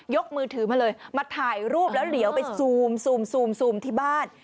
กมือถือมาเลยมาถ่ายรูปแล้วเหลียวไปซูมที่บ้าน